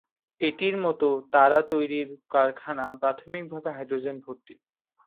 এটির মত তারা তৈরির কারখানা প্রাথমিকভাবে হাইড্রোজেন গ্যাসে ভর্তি।